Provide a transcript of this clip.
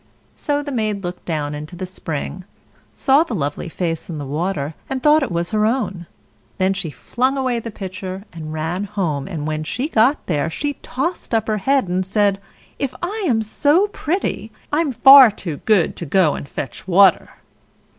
So the maid looked down into the spring, saw the lovely face in the water, and thought it was her own; then she flung away the pitcher, and ran home; and, when she got there, she tossed up her head and said, "If I'm so pretty, I'm far too good to go and fetch water."